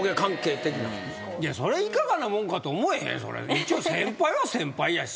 一応先輩は先輩やしさ。